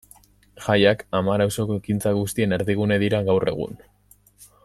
Jaiak Amara auzoko ekintza guztien erdigune dira gaur egun.